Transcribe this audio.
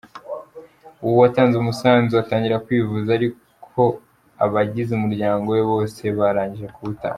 Uwatanze umusanzu atangira kwivuza ari uko abagize umuryango we bose barangije kuwutanga.